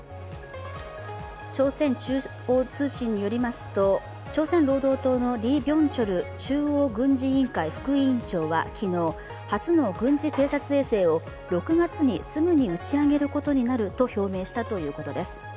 朝鮮中央通信によりますと朝鮮労働党のリ・ビョンチョル中央軍事委員会副委員長は昨日、初の軍事偵察衛星を６月にすぐに打ち上げることになると表明したということです。